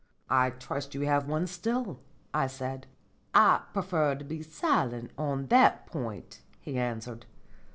"I trust you have one still," I said. "I prefer to be silent on that point," he answered.